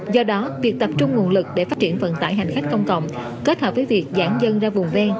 do đó việc tập trung nguồn lực để phát triển vận tải hành khách công cộng kết hợp với việc giãn dân ra vùng ven